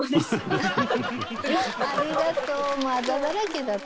ありがとう。